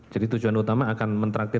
jadi tujuan utama akan menraktir